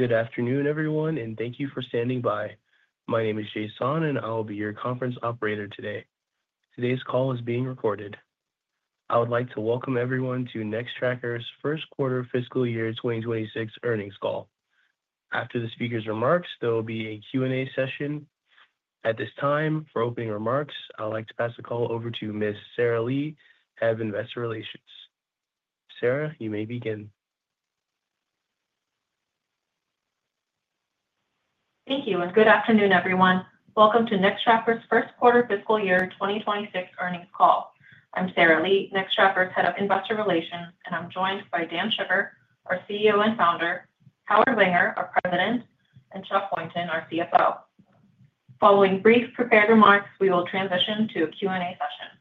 Good afternoon, everyone, and thank you for standing by. My name is Jason, and I will be your conference operator today. Today's call is being recorded. I would like to welcome everyone to Nextracker's first quarter fiscal year 2026 earnings call. After the speaker's remarks, there will be a Q&A session. At this time, for opening remarks, I'd like to pass the call over to Ms. Sarah Lee, Head of Investor Relations. Sarah, you may begin. Thank you, and good afternoon, everyone. Welcome to Nextracker's first quarter fiscal year 2026 earnings call. I'm Sarah Lee, Nextracker's Head of Investor Relations, and I'm joined by Dan Shugar, our CEO and Founder, Howard Wenger, our President, and Chuck Boynton, our CFO. Following brief prepared remarks, we will transition to a Q&A session.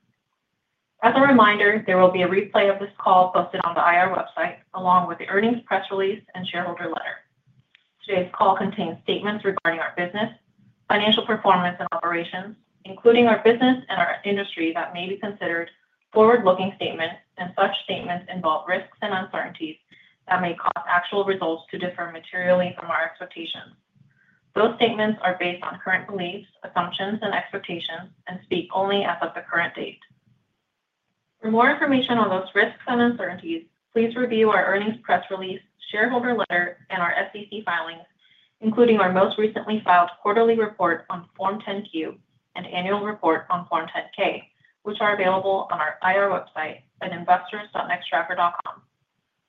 As a reminder, there will be a replay of this call posted on the IR website, along with the earnings press release and shareholder letter. Today's call contains statements regarding our business, financial performance, and operations, including our business and our industry that may be considered forward-looking statements, and such statements involve risks and uncertainties that may cause actual results to differ materially from our expectations. Those statements are based on current beliefs, assumptions, and expectations, and speak only as of the current date. For more information on those risks and uncertainties, please review our earnings press release, shareholder letter, and our SEC filings, including our most recently filed quarterly report on Form 10-Q and annual report on Form 10-K, which are available on our IR website at investors.nextracker.com.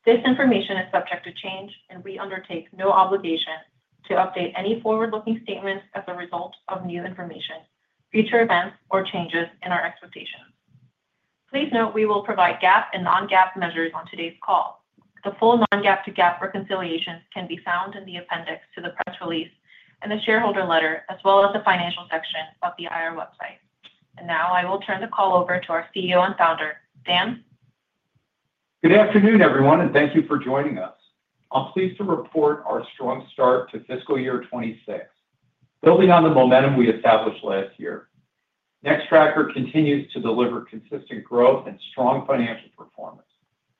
This information is subject to change, and we undertake no obligation to update any forward-looking statements as a result of new information, future events, or changes in our expectations. Please note we will provide GAAP and non-GAAP measures on today's call. The full non-GAAP to GAAP reconciliation can be found in the appendix to the press release and the shareholder letter, as well as the financial section of the IR website. I will now turn the call over to our CEO and Founder, Dan. Good afternoon, everyone, and thank you for joining us. I'm pleased to report our strong start to fiscal year 2026, building on the momentum we established last year. Nextracker continues to deliver consistent growth and strong financial performance,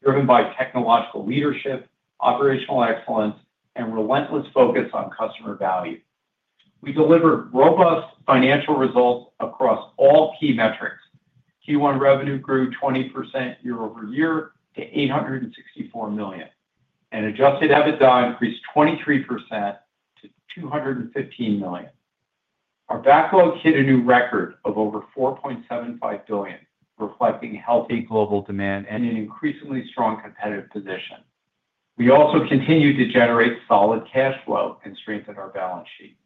driven by technological leadership, operational excellence, and relentless focus on customer value. We delivered robust financial results across all key metrics. Q1 revenue grew 20% year-over-year to $864 million, and adjusted EBITDA increased 23% to $215 million. Our backlog hit a new record of over $4.75 billion, reflecting healthy global demand and an increasingly strong competitive position. We also continue to generate solid cash flow and strengthen our balance sheet.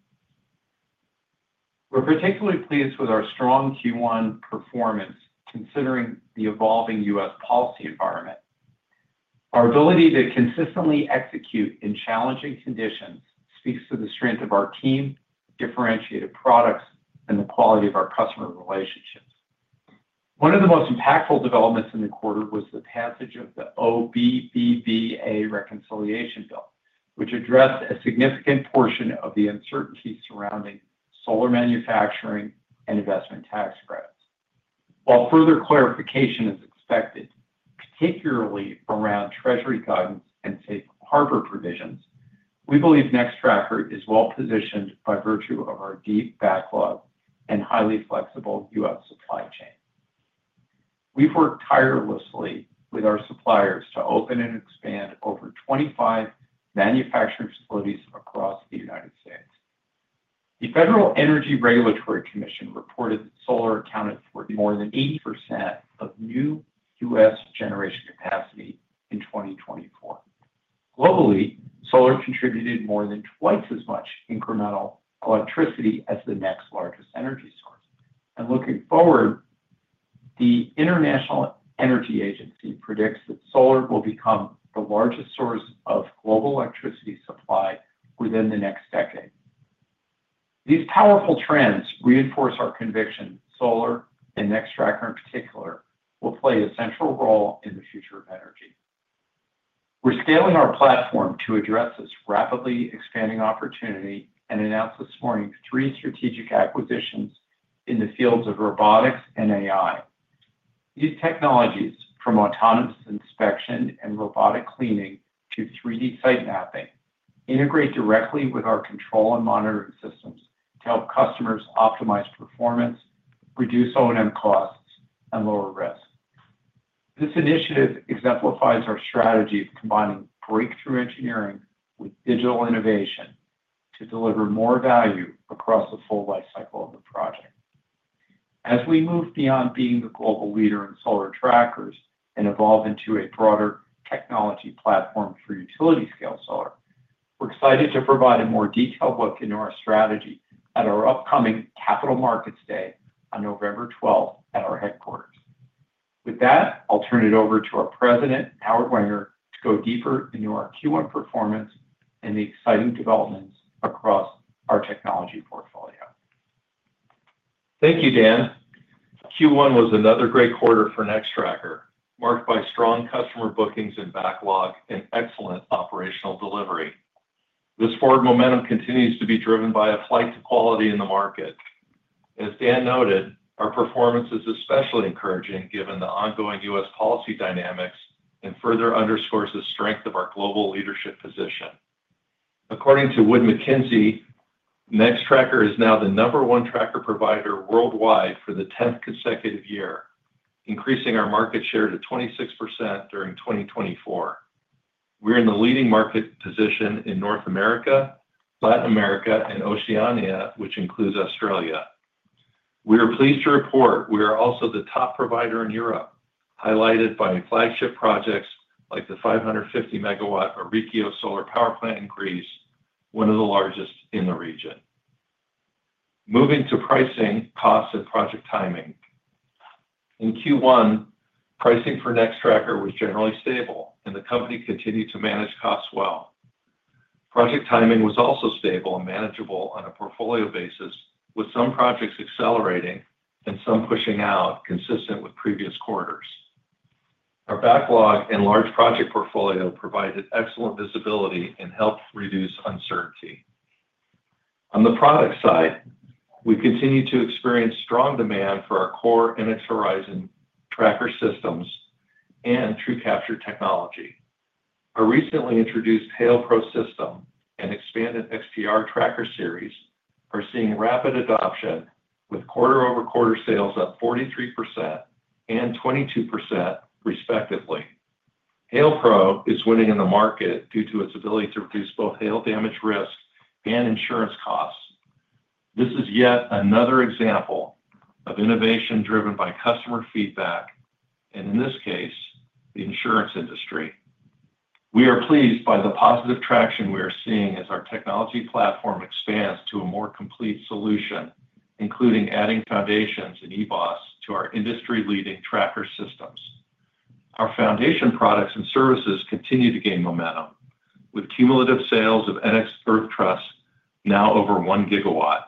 We're particularly pleased with our strong Q1 performance, considering the evolving U.S. policy environment. Our ability to consistently execute in challenging conditions speaks to the strength of our team, differentiated products, and the quality of our customer relationships. One of the most impactful developments in the quarter was the passage of the OBBBA reconciliation bill, which addressed a significant portion of the uncertainty surrounding solar manufacturing and investment tax credits. While further clarification is expected, particularly around Treasury guidance and Safe Harbor provisions, we believe Nextracker is well-positioned by virtue of our deep backlog and highly flexible U.S. supply chain. We've worked tirelessly with our suppliers to open and expand over 25 manufacturing facilities across the United States. The Federal Energy Regulatory Commission reported that solar accounted for more than 80% of new U.S. generation capacity in 2024. Globally, solar contributed more than twice as much incremental electricity as the next largest energy source. Looking forward, the International Energy Agency predicts that solar will become the largest source of global electricity supply within the next decade. These powerful trends reinforce our conviction solar, and Nextracker in particular, will play a central role in the future of energy. We're scaling our platform to address this rapidly expanding opportunity and announced this morning three strategic acquisitions in the fields of robotics and AI. These technologies, from autonomous inspection and robotic cleaning to 3D site mapping, integrate directly with our control and monitoring systems to help customers optimize performance, reduce O&M costs, and lower risk. This initiative exemplifies our strategy of combining breakthrough engineering with digital innovation to deliver more value across the full life cycle of the project. As we move beyond being the global leader in solar trackers and evolve into a broader technology platform for utility-scale solar, we're excited to provide a more detailed look into our strategy at our upcoming Capital Markets Day on November 12th at our headquarters. With that, I'll turn it over to our President, Howard Wenger, to go deeper into our Q1 performance and the exciting developments across our technology portfolio. Thank you, Dan. Q1 was another great quarter for Nextracker, marked by strong customer bookings and backlog and excellent operational delivery. This forward momentum continues to be driven by a flight to quality in the market. As Dan noted, our performance is especially encouraging given the ongoing U.S. policy dynamics and further underscores the strength of our global leadership position. According to Wood Mackenzie, Nextracker is now the number one tracker provider worldwide for the 10th consecutive year, increasing our market share to 26% during 2024. We're in the leading market position in North America, Latin America, and Oceania, which includes Australia. We are pleased to report we are also the top provider in Europe, highlighted by flagship projects like the 550 MW Orycheo solar power plant in Greece, one of the largest in the region. Moving to pricing, costs, and project timing. In Q1, pricing for Nextracker was generally stable, and the company continued to manage costs well. Project timing was also stable and manageable on a portfolio basis, with some projects accelerating and some pushing out, consistent with previous quarters. Our backlog and large project portfolio provided excellent visibility and helped reduce uncertainty. On the product side, we continue to experience strong demand for our core NX Horizon tracker systems and TrueCapture technology. Our recently introduced Hail Pro system and expanded XTR Tracker series are seeing rapid adoption, with quarter-over-quarter sales up 43% and 22%, respectively. Hail Pro is winning in the market due to its ability to reduce both Hail damage risk and insurance costs. This is yet another example of innovation driven by customer feedback, and in this case, the insurance industry. We are pleased by the positive traction we are seeing as our technology platform expands to a more complete solution, including adding foundations and eBOS to our industry-leading tracker systems. Our foundation products and services continue to gain momentum, with cumulative sales of NX Earth Truss now over 1 GW.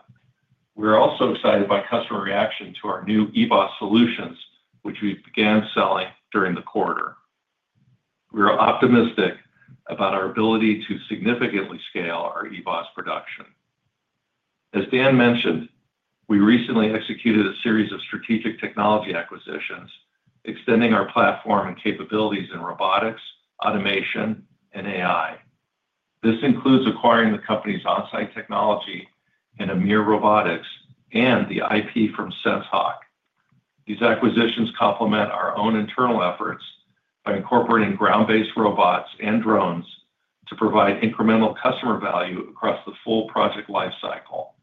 We're also excited by customer reaction to our new eBOS solutions, which we began selling during the quarter. We are optimistic about our ability to significantly scale our eBOS production. As Dan mentioned, we recently executed a series of strategic technology acquisitions, extending our platform and capabilities in robotics, automation, and AI. This includes acquiring the company's On-Site Technologies in Amir Robotics and the IP from SenseHawk. These acquisitions complement our own internal efforts by incorporating ground-based robots and drones to provide incremental customer value across the full project life cycle.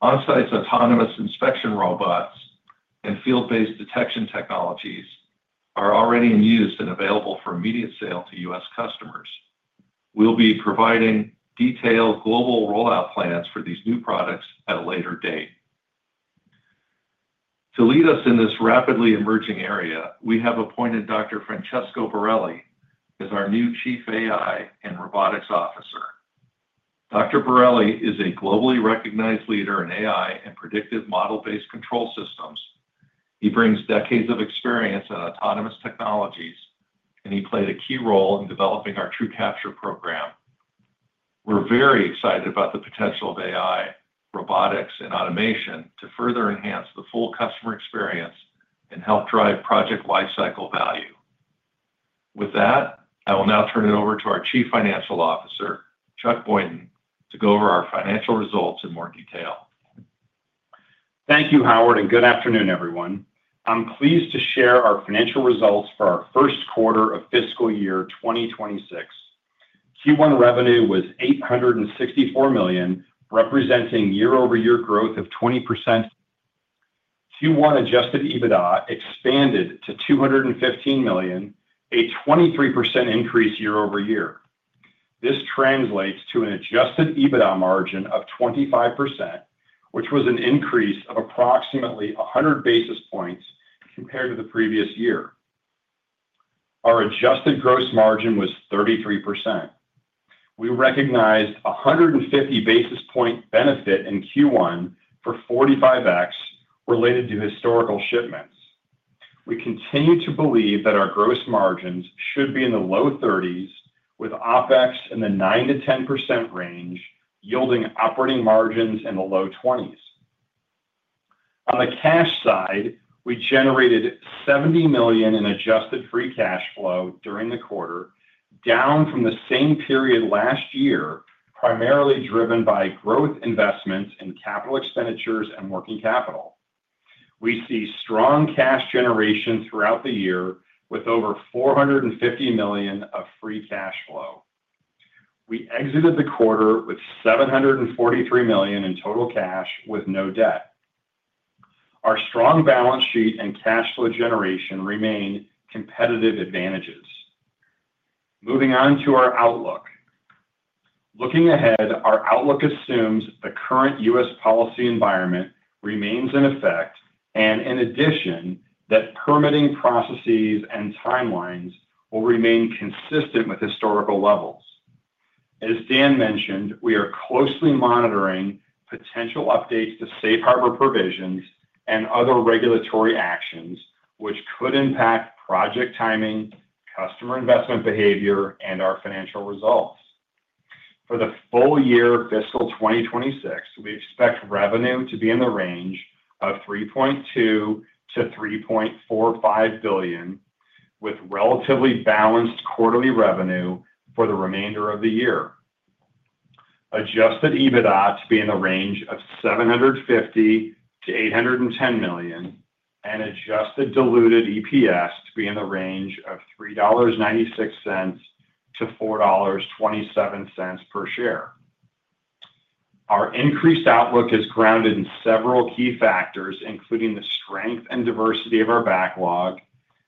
On-site autonomous inspection robots and field-based detection technologies are already in use and available for immediate sale to U.S. customers. We'll be providing detailed global rollout plans for these new products at a later date. To lead us in this rapidly emerging area, we have appointed Dr. Francesco Borelli as our new Chief AI and Robotics Officer. Dr. Borelli is a globally recognized leader in AI and predictive model-based control systems. He brings decades of experience in autonomous technologies, and he played a key role in developing our TrueCapture program. We're very excited about the potential of AI, robotics, and automation to further enhance the full customer experience and help drive project life cycle value. With that, I will now turn it over to our Chief Financial Officer, Chuck Boynton, to go over our financial results in more detail. Thank you, Howard, and good afternoon, everyone. I'm pleased to share our financial results for our first quarter of fiscal year 2026. Q1 revenue was $864 million, representing year-over-year growth of 20%. Q1 adjusted EBITDA expanded to $215 million, a 23% increase year-over-year. This translates to an adjusted EBITDA margin of 25%, which was an increase of approximately 100 basis points compared to the previous year. Our adjusted gross margin was 33%. We recognized a 150 basis point benefit in Q1 for 45x related to historical shipments. We continue to believe that our gross margins should be in the low 30%s, with OPEX in the 9%-10% range, yielding operating margins in the low 20%s. On the cash side, we generated $70 million in adjusted free cash flow during the quarter, down from the same period last year, primarily driven by growth investments in capital expenditures and working capital. We see strong cash generation throughout the year, with over $450 million of free cash flow. We exited the quarter with $743 million in total cash, with no debt. Our strong balance sheet and cash flow generation remain competitive advantages. Moving on to our outlook. Looking ahead, our outlook assumes the current U.S. policy environment remains in effect, and in addition, that permitting processes and timelines will remain consistent with historical levels. As Dan mentioned, we are closely monitoring potential updates to Safe Harbor provisions and other regulatory actions, which could impact project timing, customer investment behavior, and our financial results. For the full year fiscal 2026, we expect revenue to be in the range of $3.2 billion-$3.45 billion, with relatively balanced quarterly revenue for the remainder of the year. Adjusted EBITDA to be in the range of $750 million-$810 million, and adjusted diluted EPS to be in the range of $3.96-$4.27 per share. Our increased outlook is grounded in several key factors, including the strength and diversity of our backlog,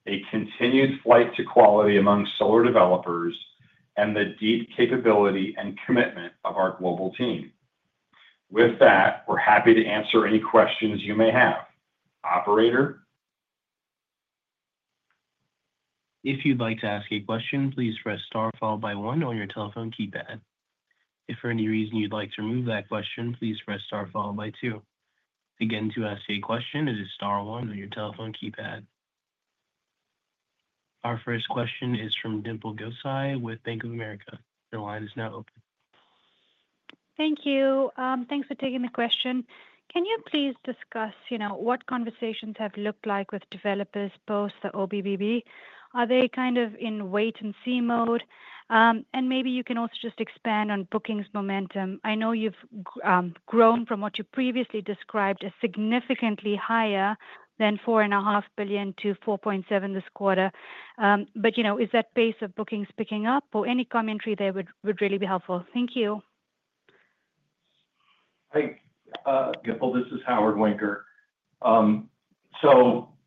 a continued flight to quality among solar developers, and the deep capability and commitment of our global team. With that, we're happy to answer any questions you may have. Operator. If you'd like to ask a question, please press star followed by one on your telephone keypad. If for any reason you'd like to remove that question, please press star followed by two. Again, to ask a question, it is star one on your telephone keypad. Our first question is from Dimple Gosai with Bank of America. Your line is now open. Thank you. Thanks for taking the question. Can you please discuss what conversations have looked like with developers post the OBBB? Are they kind of in wait-and-see mode? Maybe you can also just expand on bookings momentum. I know you've grown from what you previously described as significantly higher than $4.5 billion to $4.7 billion this quarter. Is that pace of bookings picking up? Any commentary there would really be helpful. Thank you. Hi. Dimple, this is Howard Wenger.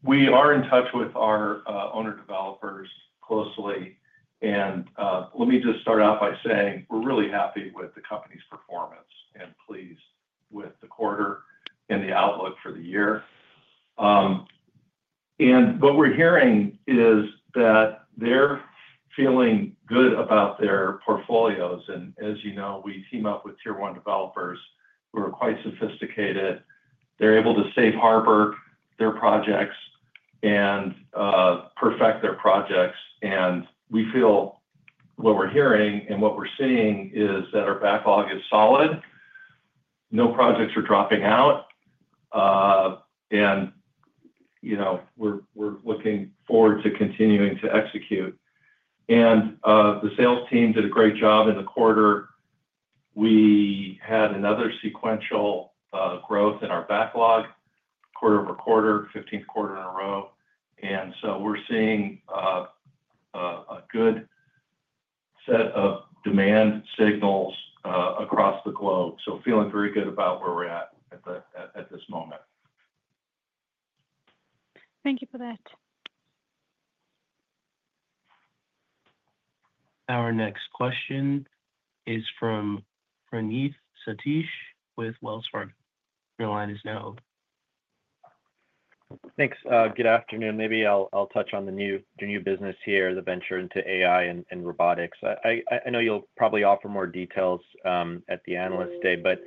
We are in touch with our owner developers closely. Let me just start out by saying we're really happy with the company's performance and pleased with the quarter and the outlook for the year. What we're hearing is that they're feeling good about their portfolios. As you know, we team up with Tier 1 developers who are quite sophisticated. They're able to safe-harbor their projects and perfect their projects. We feel what we're hearing and what we're seeing is that our backlog is solid. No projects are dropping out. We are looking forward to continuing to execute. The sales team did a great job in the quarter. We had another sequential growth in our backlog, quarter over quarter, 15th quarter in a row. We are seeing a good set of demand signals across the globe. Feeling very good about where we're at at this moment. Thank you for that. Our next question is from Praneeth Satish with Wells Fargo. Your line is now open. Thanks. Good afternoon. Maybe I'll touch on the new business here, the venture into AI and robotics. I know you'll probably offer more details at the analyst day, but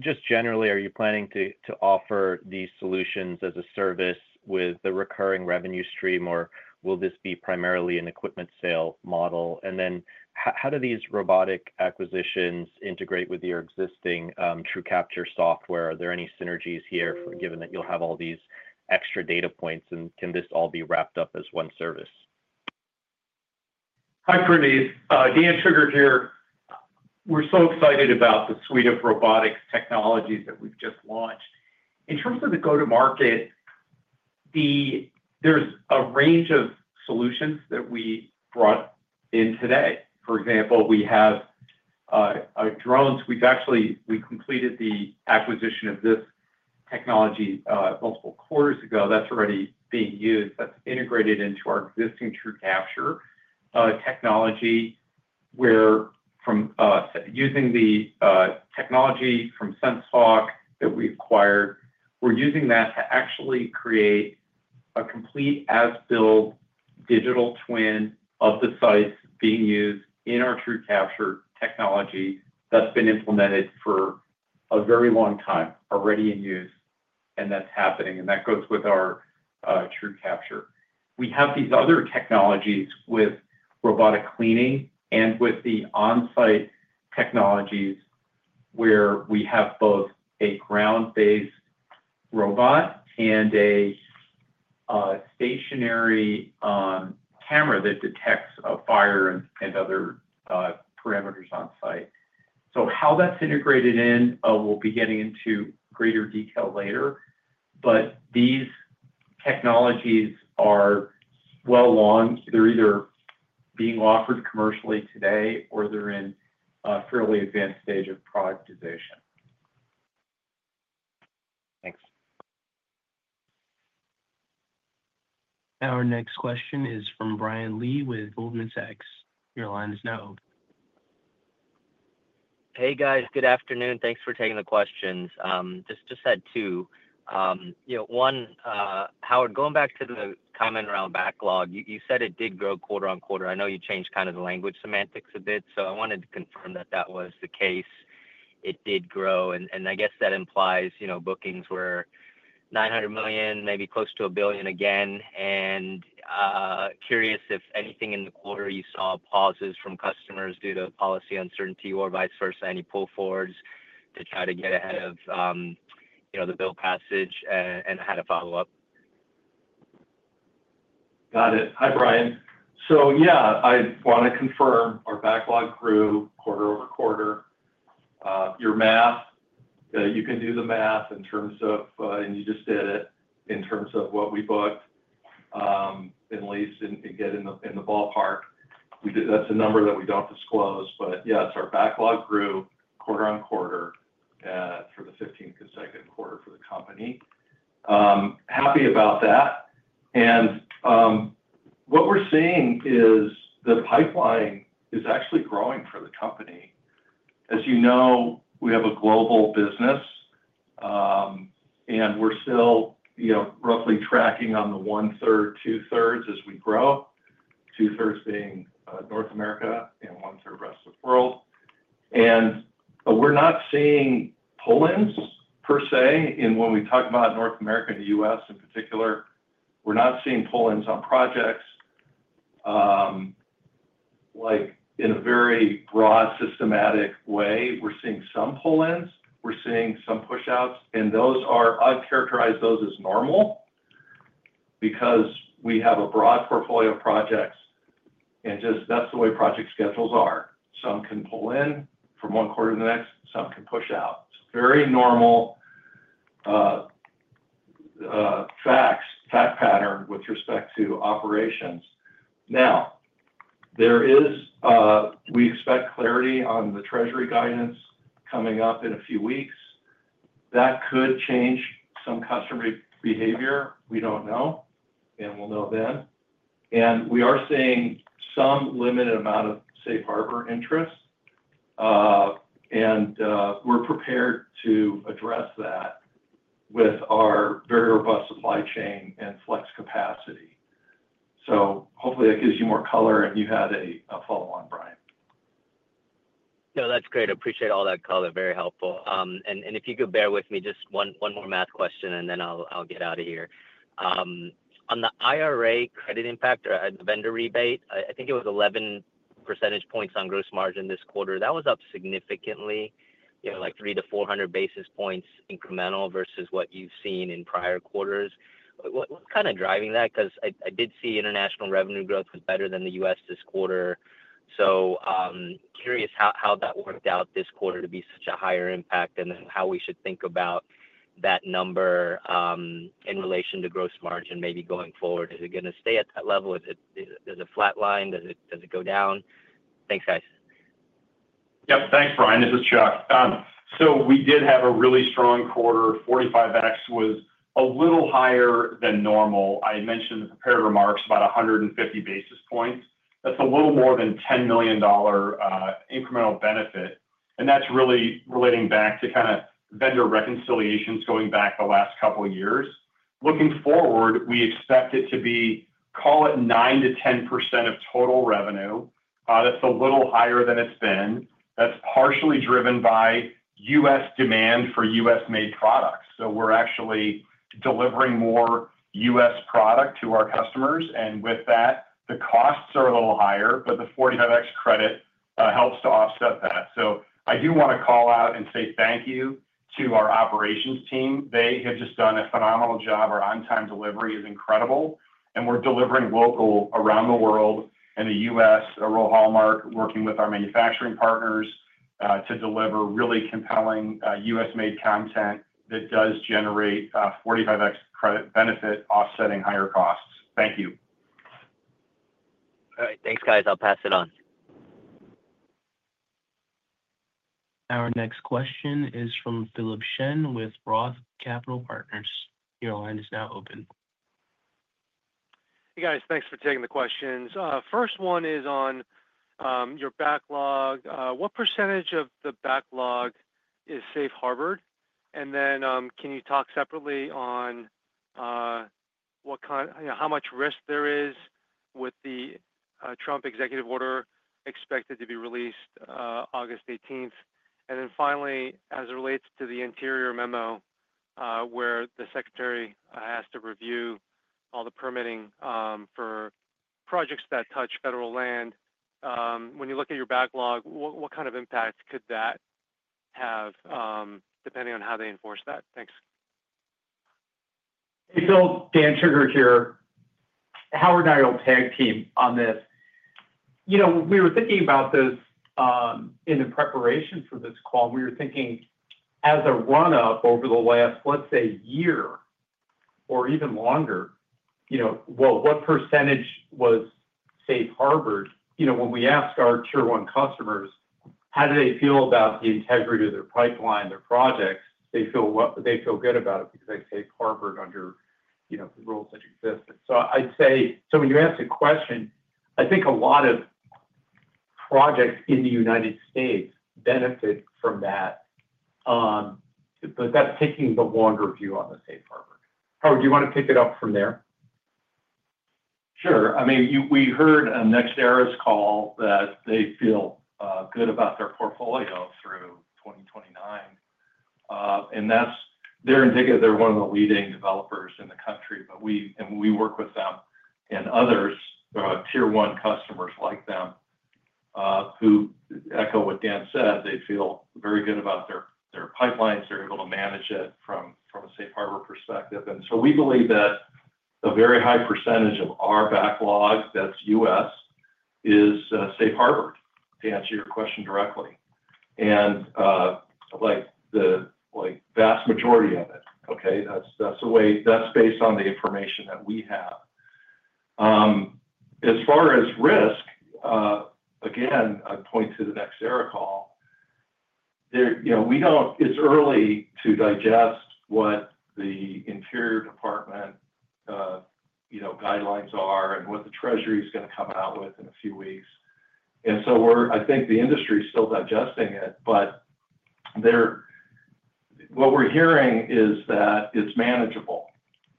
just generally, are you planning to offer these solutions as a service with the recurring revenue stream, or will this be primarily an equipment sale model? Then how do these robotic acquisitions integrate with your existing TrueCapture software? Are there any synergies here, given that you'll have all these extra data points, and can this all be wrapped up as one service? Hi, Praneeth. Dan Shugar here. We're so excited about the suite of robotics technologies that we've just launched. In terms of the go-to-market, there's a range of solutions that we brought in today. For example, we have drones. We've actually completed the acquisition of this technology multiple quarters ago. That's already being used. That's integrated into our existing TrueCapture technology, where from using the technology from SenseHawk that we acquired, we're using that to actually create a complete as-built digital twin of the sites being used in our TrueCapture technology that's been implemented for a very long time, already in use, and that's happening. That goes with our TrueCapture. We have these other technologies with robotic cleaning and with the On-Site Technologies, where we have both a ground-based robot and a stationary camera that detects a fire and other parameters on site. How that's integrated in, we'll be getting into greater detail later. These technologies are well along. They're either being offered commercially today, or they're in a fairly advanced stage of productization. Thanks. Our next question is from Brian Lee with Goldman Sachs. Your line is now open. Hey, guys. Good afternoon. Thanks for taking the questions. Just to add two. One, Howard, going back to the comment around backlog, you said it did grow quarter on quarter. I know you changed kind of the language semantics a bit, so I wanted to confirm that that was the case. It did grow. I guess that implies bookings were $900 million, maybe close to a $1 billion again. Curious if anything in the quarter you saw pauses from customers due to policy uncertainty or vice versa, any pull forwards to try to get ahead of the bill passage and had a follow-up. Got it. Hi, Brian. So yeah, I want to confirm our backlog grew quarter over quarter. Your math, you can do the math in terms of, and you just did it, in terms of what we booked. At least and get in the ballpark. That's a number that we don't disclose. But yes, our backlog grew quarter on quarter for the 15th and second quarter for the company. Happy about that. What we're seeing is the pipeline is actually growing for the company. As you know, we have a global business. And we're still roughly tracking on the one-third, two-thirds as we grow, two-thirds being North America and one-third rest of the world. We're not seeing pull-ins per se. When we talk about North America and the U.S. in particular, we're not seeing pull-ins on projects in a very broad systematic way. We're seeing some pull-ins. We're seeing some push-outs. I'd characterize those as normal because we have a broad portfolio of projects, and just that's the way project schedules are. Some can pull in from one quarter to the next. Some can push out. It's a very normal fact pattern with respect to operations. Now, we expect clarity on the Treasury guidance coming up in a few weeks. That could change some customer behavior. We don't know, and we'll know then. We are seeing some limited amount of Safe Harbor interest. We're prepared to address that with our very robust supply chain and flex capacity. Hopefully that gives you more color, and you had a follow-on, Brian. No, that's great. I appreciate all that color. Very helpful. If you could bear with me, just one more math question, and then I'll get out of here. On the IRA credit impact or vendor rebate, I think it was 11 percentage points on gross margin this quarter. That was up significantly, like 300 basis points-400 basis points incremental versus what you've seen in prior quarters. What's kind of driving that? I did see international revenue growth was better than the U.S. this quarter. Curious how that worked out this quarter to be such a higher impact and how we should think about that number in relation to gross margin maybe going forward. Is it going to stay at that level? Is it a flat line? Does it go down? Thanks, guys. Yep. Thanks, Brian. This is Chuck. We did have a really strong quarter. 45x was a little higher than normal. I mentioned in the prepared remarks about 150 basis points. That is a little more than $10 million incremental benefit. That is really relating back to kind of vendor reconciliations going back the last couple of years. Looking forward, we expect it to be, call it 9%-10% of total revenue. That is a little higher than it has been. That is partially driven by U.S. demand for U.S.-made products. We are actually delivering more U.S. product to our customers. With that, the costs are a little higher, but the 45x credit helps to offset that. I do want to call out and say thank you to our operations team. They have just done a phenomenal job. Our on-time delivery is incredible. We are delivering local around the world and the U.S., a real hallmark working with our manufacturing partners to deliver really compelling U.S.-made content that does generate 45x credit benefit offsetting higher costs. Thank you. All right. Thanks, guys. I'll pass it on. Our next question is from Philip Shen with Roth Capital Partners. Your line is now open. Hey, guys. Thanks for taking the questions. First one is on your backlog. What percentage of the backlog is Safe Harbor? Can you talk separately on how much risk there is with the Trump executive order expected to be released August 18? Finally, as it relates to the interior memo where the secretary has to review all the permitting for projects that touch federal land, when you look at your backlog, what kind of impact could that have, depending on how they enforce that? Thanks. Hey, Dan Shugar here. Howard and I are on the PEG team on this. We were thinking about this. In the preparation for this call. We were thinking as a run-up over the last, let's say, year. Or even longer. What percentage was Safe Harbored? When we ask our Tier 1 customers, how do they feel about the integrity of their pipeline, their projects? They feel good about it because they safe-harbored under the rules that exist. I'd say, when you ask the question, I think a lot of projects in the United States benefit from that. That's taking the longer view on the Safe Harbor. Howard, do you want to pick it up from there? Sure. I mean, we heard NextEra's call that they feel good about their portfolio through 2029. They're indicative, they're one of the leading developers in the country, and we work with them and others, Tier 1 customers like them, who echo what Dan said. They feel very good about their pipelines. They're able to manage it from a Safe Harbor perspective. We believe that a very high percentage of our backlog that's U.S. is Safe Harbored, to answer your question directly. The vast majority of it. Okay? That's based on the information that we have. As far as risk, again, I point to the NextEra call. It's early to digest what the Interior Department guidelines are and what the Treasury is going to come out with in a few weeks. I think the industry is still digesting it, but what we're hearing is that it's manageable.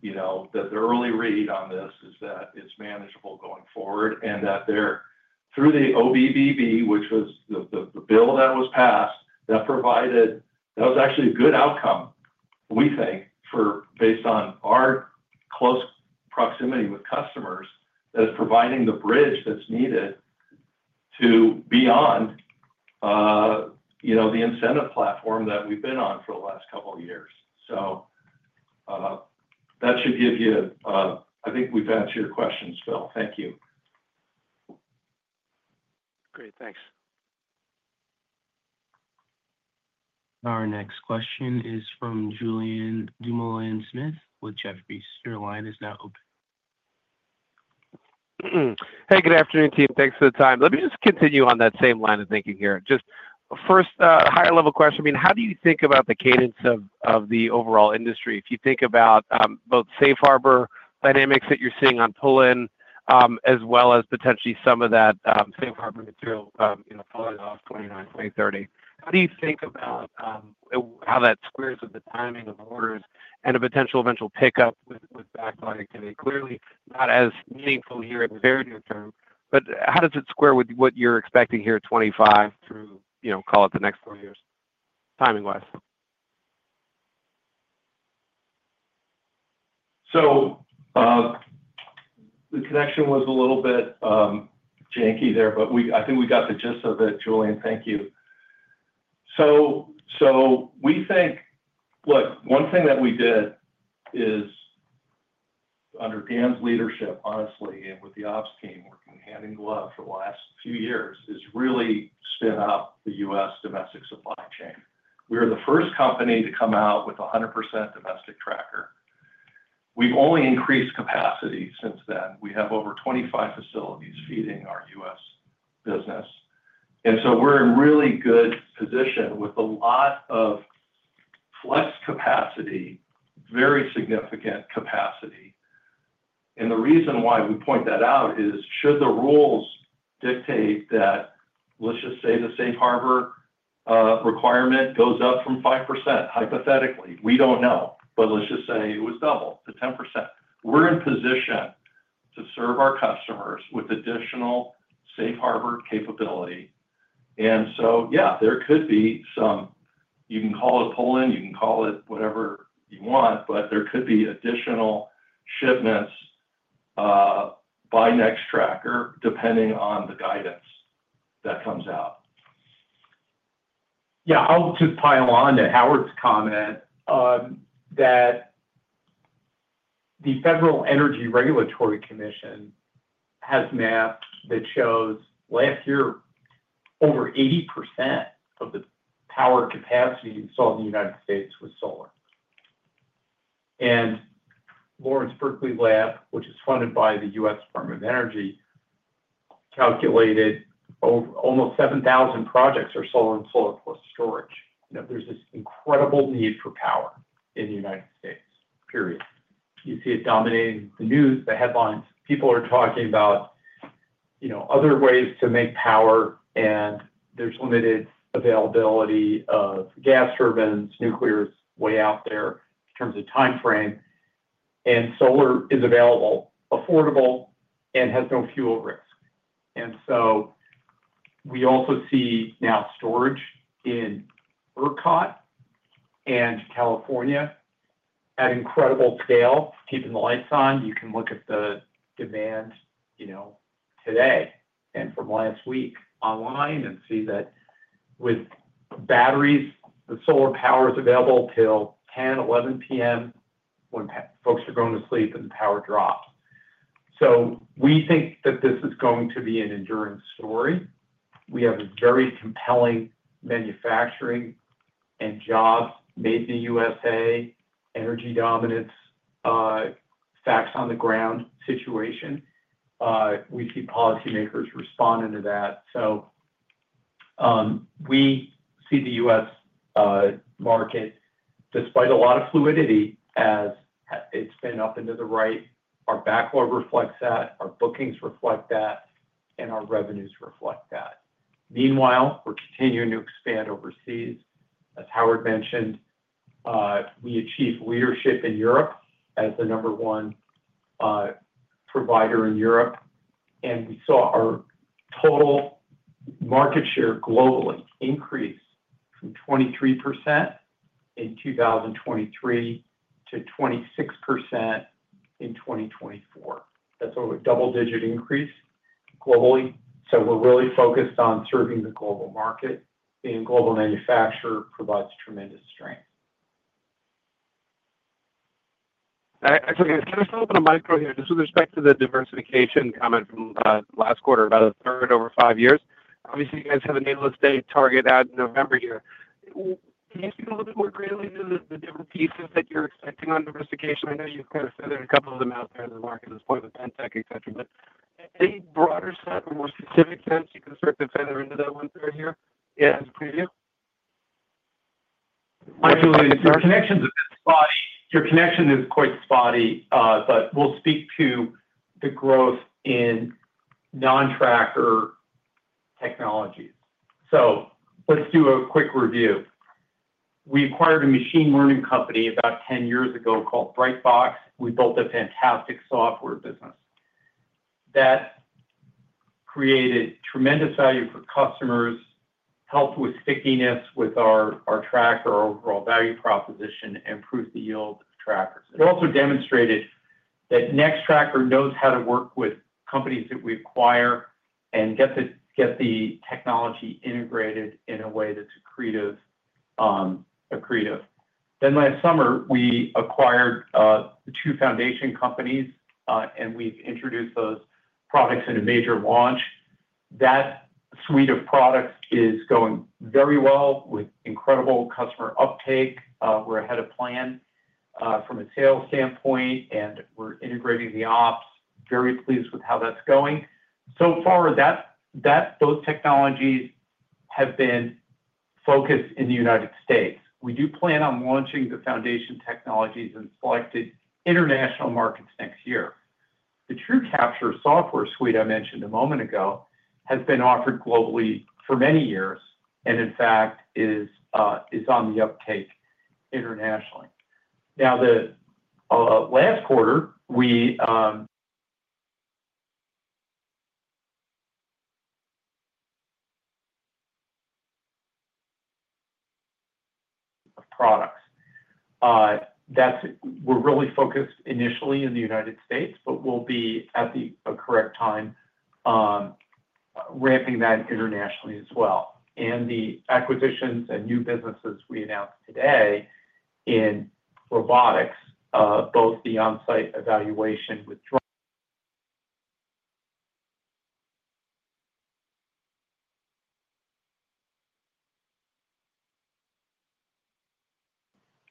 The early read on this is that it's manageable going forward and that they're through the OBBB, which was the bill that was passed, that provided, that was actually a good outcome, we think, based on our close proximity with customers, that it's providing the bridge that's needed to beyond the incentive platform that we've been on for the last couple of years. That should give you a, I think we've answered your questions, Phil. Thank you. Great. Thanks. Our next question is from Julien Dumoulin-Smith with Jefferies. Your line is now open. Hey, good afternoon, team. Thanks for the time. Let me just continue on that same line of thinking here. Just first, a higher-level question. I mean, how do you think about the cadence of the overall industry? If you think about both Safe Harbor dynamics that you're seeing on pull-in, as well as potentially some of that Safe Harbor material pulling off 2029, 2030, how do you think about how that squares with the timing of orders and a potential eventual pickup with backlog activity? Clearly not as meaningful here at the very near term, but how does it square with what you're expecting here at 2025 through, call it the next four years, timing-wise? The connection was a little bit janky there, but I think we got the gist of it. Julien, thank you. We think, look, one thing that we did is, under PM's leadership, honestly, and with the ops team working hand in glove for the last few years, is really spin up the U.S. domestic supply chain. We are the first company to come out with a 100% domestic tracker. We've only increased capacity since then. We have over 25 facilities feeding our U.S. business, and we're in really good position with a lot of flex capacity, very significant capacity. The reason why we point that out is, should the rules dictate that, let's just say the Safe Harbor requirement goes up from 5%, hypothetically. We don't know, but let's just say it was doubled to 10%. We're in position to serve our customers with additional Safe Harbor capability. Yeah, there could be some, you can call it pull-in, you can call it whatever you want, but there could be additional shipments by Nextracker, depending on the guidance that comes out. I'll just pile on to Howard's comment. The Federal Energy Regulatory Commission has mapped that shows last year over 80% of the power capacity you saw in the United States was solar. Lawrence Berkeley Lab, which is funded by the U.S. Department of Energy, calculated almost 7,000 projects are solar and solar plus storage. There's this incredible need for power in the United States, period. You see it dominating the news, the headlines. People are talking about other ways to make power, and there's limited availability of gas turbines, nuclear is way out there in terms of timeframe, and solar is available, affordable, and has no fuel risk. We also see now storage in ERCOT and California at incredible scale, keeping the lights on. You can look at the demand today and from last week online and see that with batteries, the solar power is available till 10:00 PM, 11:00 P.M. when folks are going to sleep and the power drops. We think that this is going to be an endurance story. We have a very compelling manufacturing and jobs made in the U.S.A., energy dominance, facts on the ground situation. We see policymakers responding to that. We see the U.S. market, despite a lot of fluidity, as it's been up and to the right. Our backlog reflects that. Our bookings reflect that. Our revenues reflect that. Meanwhile, we're continuing to expand overseas. As Howard mentioned, we achieved leadership in Europe as the number one provider in Europe, and we saw our total market share globally increase from 23% in 2023 to 26% in 2024. That's a double-digit increase globally. We're really focused on serving the global market, and global manufacturer provides tremendous strength. Can I follow up on a micro here? This is respect to the diversification comment from last quarter, about a third over five years. Obviously, you guys have a needless day target out in November here. Can you speak a little bit more greatly to the different pieces that you're expecting on diversification? I know you've kind of feathered a couple of them out there in the market at this point with Bentek, etc. But any broader set or more specific sense you can sort of feather into that one third here as a preview? Our connection is a bit spotty. Your connection is quite spotty, but we'll speak to the growth in non-tracker technologies. Let's do a quick review. We acquired a machine learning company about 10 years ago called BrightBox. We built a fantastic software business that created tremendous value for customers, helped with stickiness with our tracker, our overall value proposition, and improved the yield of trackers. It also demonstrated that Nextracker knows how to work with companies that we acquire and get the technology integrated in a way that's accretive. Last summer, we acquired the two foundation companies, and we've introduced those products in a major launch. That suite of products is going very well with incredible customer uptake. We're ahead of plan from a sales standpoint, and we're integrating the ops. Very pleased with how that's going. So far, those technologies have been focused in the United States. We do plan on launching the foundation technologies in selected international markets next year. The TrueCapture software suite I mentioned a moment ago has been offered globally for many years and, in fact, is on the uptake internationally. Last quarter, we of products. We're really focused initially in the United States, but we'll be at the correct time ramping that internationally as well. The acquisitions and new businesses we announced today in robotics, both the on-site evaluation with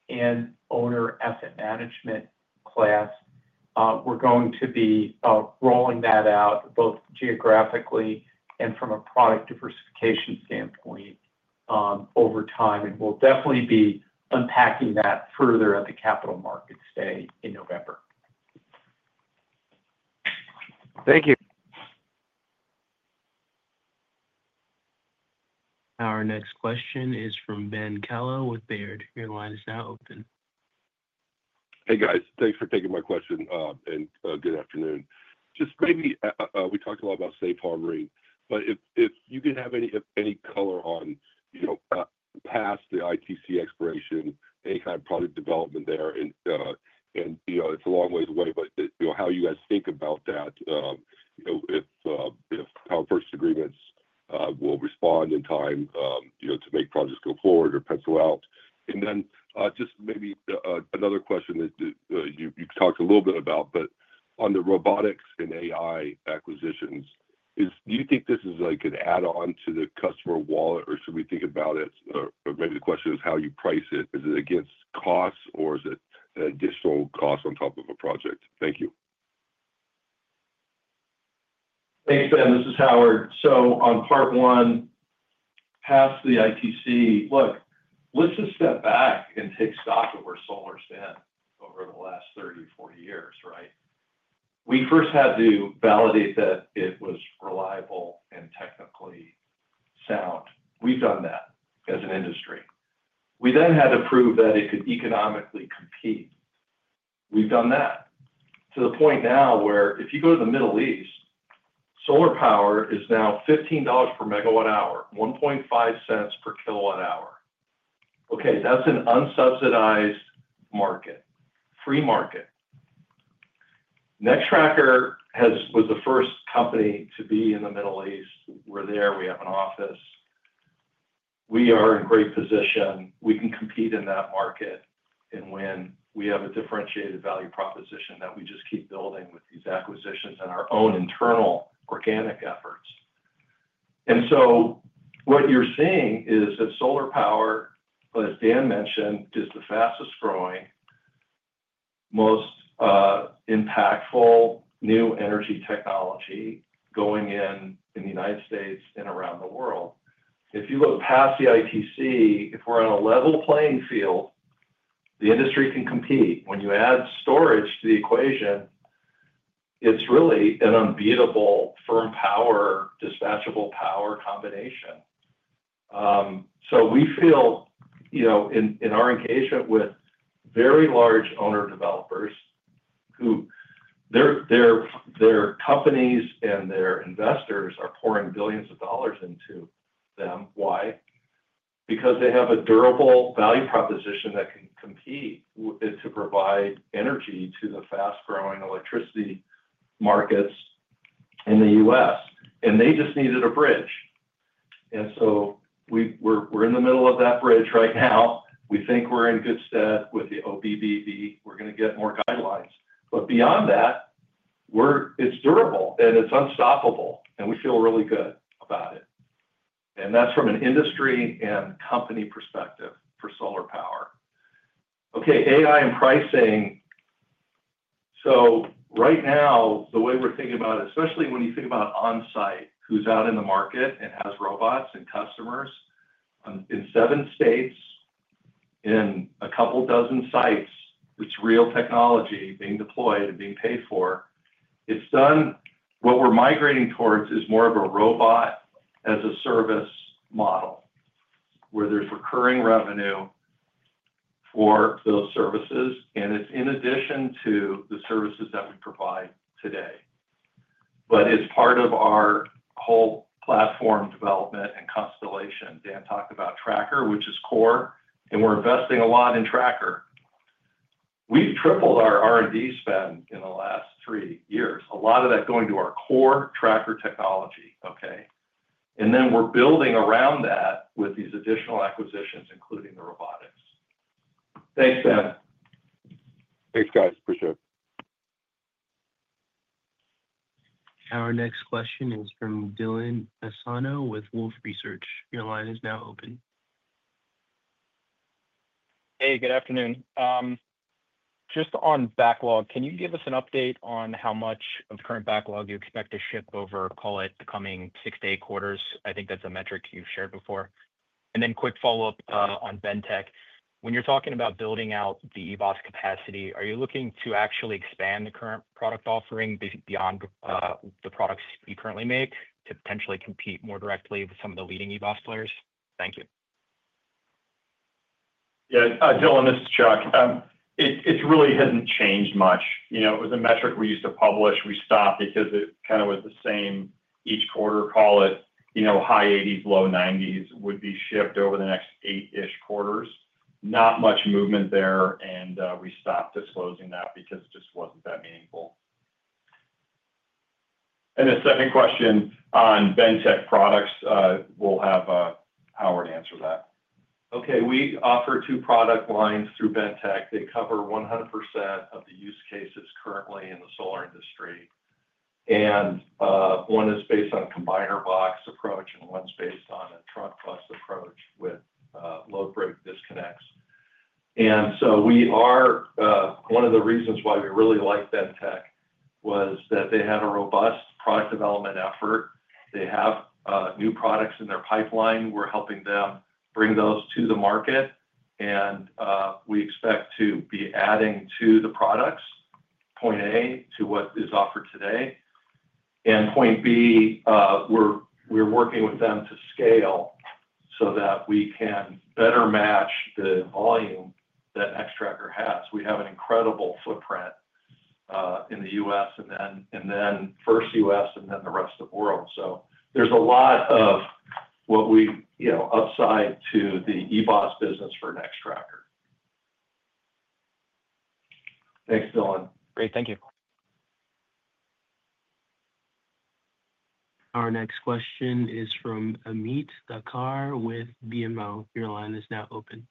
and owner asset management class, we're going to be rolling that out both geographically and from a product diversification standpoint over time. We'll definitely be unpacking that further at the capital markets day in November. Thank you. Our next question is from Ben Kallo with Baird. Your line is now open. Hey, guys. Thanks for taking my question and good afternoon. Maybe we talked a lot about Safe Harbor, but if you can have any color on, past the ITC expiration, any kind of product development there. It is a long ways away, but how you guys think about that. If, how first agreements will respond in time to make projects go forward or pencil out. Just maybe another question that you talked a little bit about, but on the robotics and AI acquisitions, do you think this is an add-on to the customer wallet, or should we think about it? Or maybe the question is how you price it. Is it against cost, or is it an additional cost on top of a project? Thank you. Thanks, Ben. This is Howard. On part one, past the ITC, look, let's just step back and take stock of where solar's been over the last 30, 40 years, right? We first had to validate that it was reliable and technically sound. We've done that as an industry. We then had to prove that it could economically compete. We've done that. To the point now where if you go to the Middle East, solar power is now $15 per MWh, $0.015 per kWh. Okay, that's an unsubsidized market, free market. Nextracker was the first company to be in the Middle East. We're there. We have an office. We are in great position. We can compete in that market and win. We have a differentiated value proposition that we just keep building with these acquisitions and our own internal organic efforts. What you're seeing is that solar power, as Dan mentioned, is the fastest growing, most impactful new energy technology going in in the United States and around the world. If you look past the ITC, if we're on a level playing field, the industry can compete. When you add storage to the equation, it's really an unbeatable firm power, dispatchable power combination. We feel, in our engagement with very large owner developers who, their companies and their investors are pouring billions of dollars into them. Why? Because they have a durable value proposition that can compete to provide energy to the fast-growing electricity markets in the U.S. They just needed a bridge. We're in the middle of that bridge right now. We think we're in good stead with the OBBB. We're going to get more guidelines. Beyond that, it's durable and it's unstoppable. We feel really good about it. That's from an industry and company perspective for solar power. Okay, AI and pricing. Right now, the way we're thinking about it, especially when you think about On-Site, who's out in the market and has robots and customers in seven states, in a couple dozen sites, it's real technology being deployed and being paid for. What we're migrating towards is more of a robot as a service model where there's recurring revenue for those services. It's in addition to the services that we provide today, but it's part of our whole platform development and constellation. Dan talked about Tracker, which is core, and we're investing a lot in Tracker. We've tripled our R&D spend in the last three years, a lot of that going to our core Tracker technology, okay? We're building around that with these additional acquisitions, including the robotics. Thanks, Ben. Thanks, guys. Appreciate it. Our next question is from Dylan Nassano with Wolfe Research. Your line is now open. Hey, good afternoon. Just on backlog, can you give us an update on how much of the current backlog you expect to ship over, call it, the coming six to eight quarters? I think that's a metric you shared before. Quick follow-up on Bentek. When you're talking about building out the eBOS capacity, are you looking to actually expand the current product offering beyond the products you currently make to potentially compete more directly with some of the leading eBOS players? Thank you. Yeah. Dylan, this is Chuck. It really hasn't changed much. It was a metric we used to publish. We stopped because it kind of was the same each quarter, call it. High 80s, low 90s would be shipped over the next eight-ish quarters. Not much movement there. We stopped disclosing that because it just wasn't that meaningful. The second question on Bentek products, we'll have Howard answer that. Okay. We offer two product lines through Bentek. They cover 100% of the use cases currently in the solar industry. One is based on a combiner box approach, and one's based on a truck bus approach with load break disconnects. One of the reasons why we really like Bentek was that they had a robust product development effort. They have new products in their pipeline. We're helping them bring those to the market. We expect to be adding to the products, point A, to what is offered today. Point B, we're working with them to scale so that we can better match the volume that Nextracker has. We have an incredible footprint in the U.S. and then first U.S. and then the rest of the world. There's a lot of upside to the eBOS business for Nextracker. Thanks, Dylan. Great. Thank you. Our next question is from Ameet Thakkar with BMO. Your line is now open.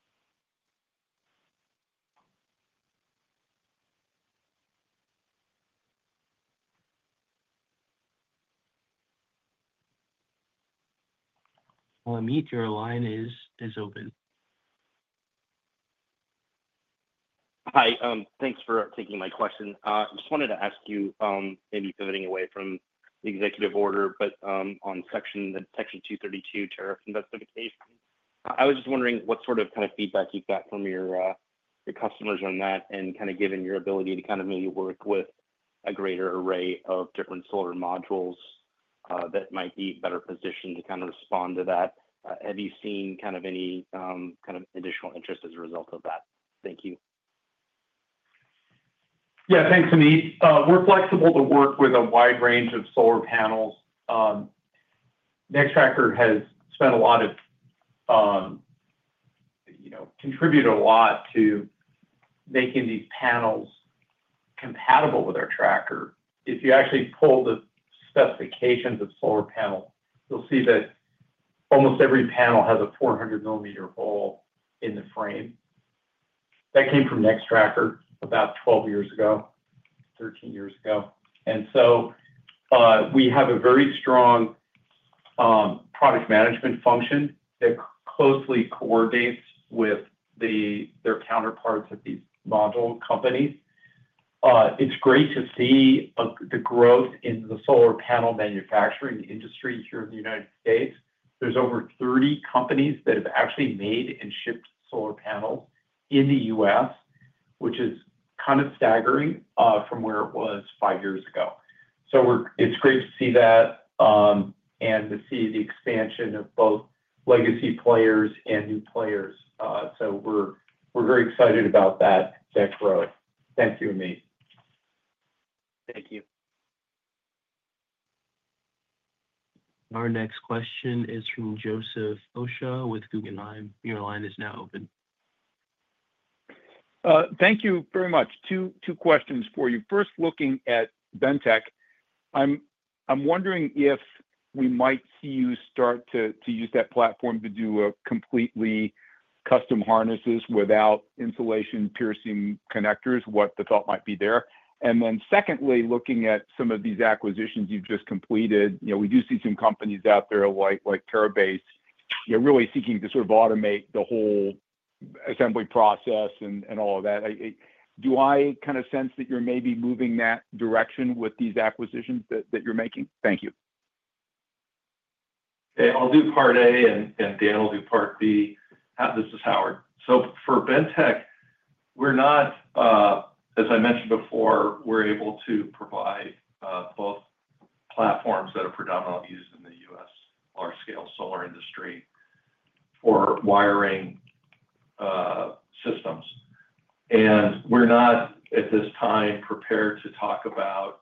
Amit, your line is open. Hi. Thanks for taking my question. I just wanted to ask you, maybe pivoting away from the executive order, but on Section 232 tariff investigation. I was just wondering what sort of kind of feedback you've got from your customers on that and kind of given your ability to kind of maybe work with a greater array of different solar modules that might be better positioned to kind of respond to that. Have you seen kind of any kind of additional interest as a result of that? Thank you. Yeah, thanks, Ameet. We're flexible to work with a wide range of solar panels. Nextracker has spent a lot of, contributed a lot to making these panels compatible with our tracker. If you actually pull the specifications of solar panels, you'll see that almost every panel has a 400-millimeter hole in the frame. That came from Nextracker about 12 years ago, 13 years ago. We have a very strong product management function that closely coordinates with their counterparts at these module companies. It's great to see the growth in the solar panel manufacturing industry here in the United States. There are over 30 companies that have actually made and shipped solar panels in the U.S., which is kind of staggering from where it was five years ago. It's great to see that and to see the expansion of both legacy players and new players. We're very excited about that growth. Thank you, Ameet. Thank you. Our next question is from Joseph Osha with Guggenheim. Your line is now open. Thank you very much. Two questions for you. First, looking at Bentek, I'm wondering if we might see you start to use that platform to do completely custom harnesses without insulation piercing connectors, what the thought might be there. Then secondly, looking at some of these acquisitions you've just completed, we do see some companies out there like Terabase, really seeking to sort of automate the whole assembly process and all of that. Do I kind of sense that you're maybe moving that direction with these acquisitions that you're making? Thank you. I'll do part A, and Dan will do part B. This is Howard. For Bentek, we're not. As I mentioned before, we're able to provide both platforms that are predominantly used in the U.S. large-scale solar industry for wiring systems. We're not at this time prepared to talk about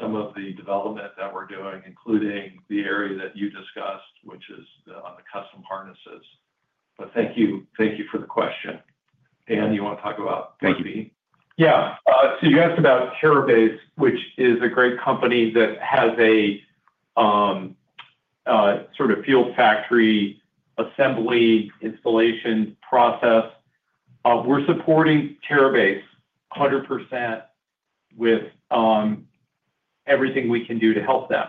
some of the development that we're doing, including the area that you discussed, which is on the custom harnesses. Thank you for the question. Dan, you want to talk about part B? Yeah. You asked about Terabase, which is a great company that has a sort of field factory assembly installation process. We're supporting Terabase 100% with everything we can do to help them.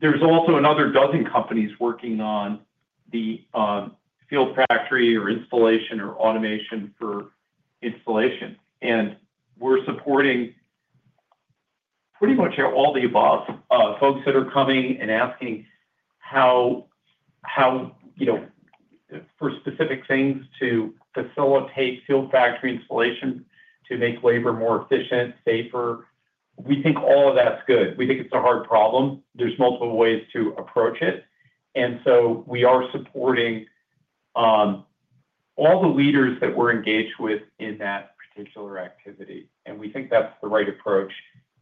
There's also another dozen companies working on the field factory or installation or automation for installation. We're supporting pretty much all the above, folks that are coming and asking how for specific things to facilitate field factory installation to make labor more efficient, safer. We think all of that's good. We think it's a hard problem. There's multiple ways to approach it. We are supporting all the leaders that we're engaged with in that particular activity. We think that's the right approach.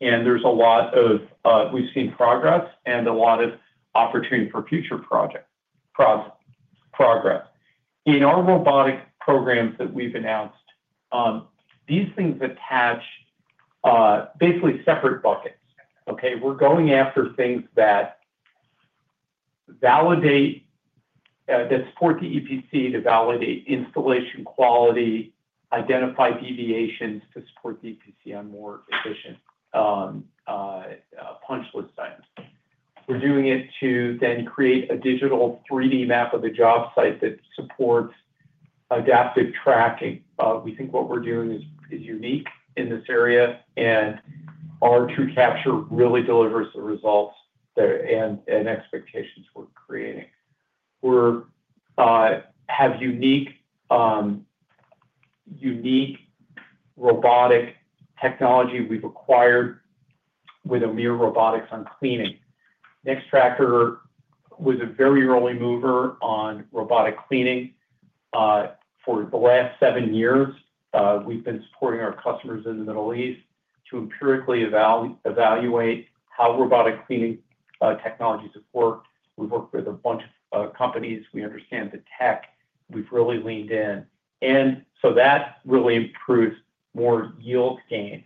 We've seen progress and a lot of opportunity for future progress. In our robotic programs that we've announced, these things attach basically separate buckets. We're going after things that validate, that support the EPC to validate installation quality, identify deviations to support the EPC on more efficient punch list items. We're doing it to then create a digital 3D map of the job site that supports adaptive tracking. We think what we're doing is unique in this area. Our TrueCapture really delivers the results and expectations we're creating. We have unique robotic technology we've acquired with Amir Robotics on cleaning. Nextracker was a very early mover on robotic cleaning. For the last seven years, we've been supporting our customers in the Middle East to empirically evaluate how robotic cleaning technologies have worked. We've worked with a bunch of companies. We understand the tech. We've really leaned in. That really improves more yield gain.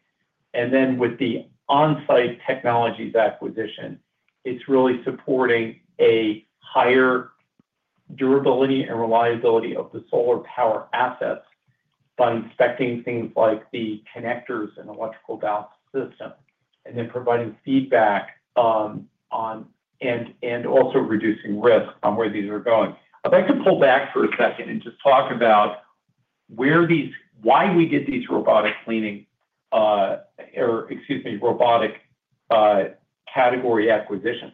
With the On-Site Technologies acquisition, it's really supporting a higher durability and reliability of the solar power assets by inspecting things like the connectors and electrical balance of system, and then providing feedback on. Also reducing risk on where these are going. I'd like to pull back for a second and just talk about why we did these robotic cleaning, or excuse me, robotic category acquisitions.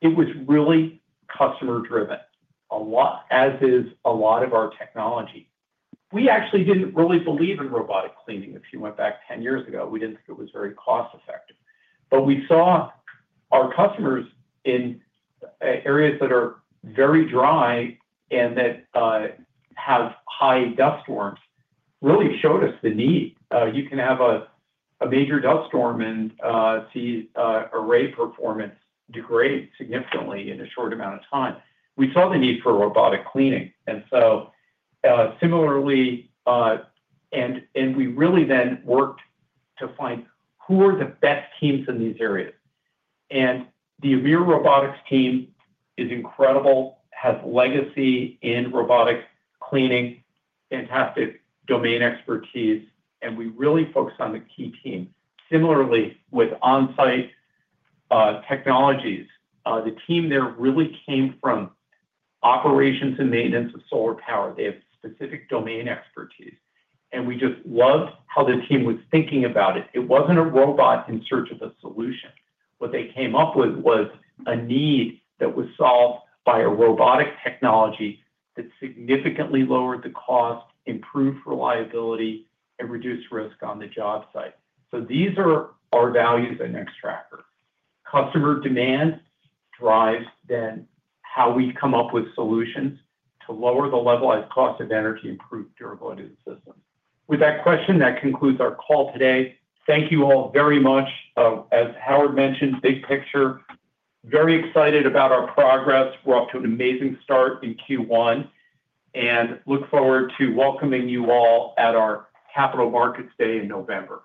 It was really customer-driven, as is a lot of our technology. We actually didn't really believe in robotic cleaning if you went back 10 years ago. We didn't think it was very cost-effective. We saw our customers in areas that are very dry and that have high dust storms really showed us the need. You can have a major dust storm and see array performance degrade significantly in a short amount of time. We saw the need for robotic cleaning. Similarly, we really then worked to find who are the best teams in these areas. The Amir Robotics team is incredible, has legacy in robotic cleaning, fantastic domain expertise, and we really focused on the key team. Similarly, with OnSight Technologies, the team there really came from operations and maintenance of solar power. They have specific domain expertise. We just loved how the team was thinking about it. It wasn't a robot in search of a solution. What they came up with was a need that was solved by a robotic technology that significantly lowered the cost, improved reliability, and reduced risk on the job site. These are our values at Nextracker. Customer demand drives then how we come up with solutions to lower the levelized cost of energy and improve durability of the system. With that question, that concludes our call today. Thank you all very much. As Howard mentioned, big picture, very excited about our progress. We're off to an amazing start in Q1 and look forward to welcoming you all at our Capital Markets Day in November.